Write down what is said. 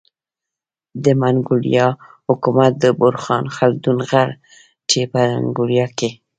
د منګولیا حکومت د بورخان خلدون غر چي په منګولیا کي